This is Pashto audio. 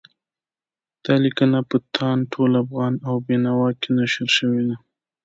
دا لیکنه په تاند، ټول افغان او بېنوا کې نشر شوې ده.